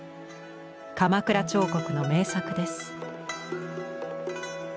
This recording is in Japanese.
鎌倉彫刻の名作です。